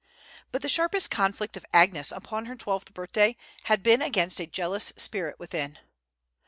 But the sharpest conflict of Agnes upon her twelfth birthday had been against a jealous spirit within.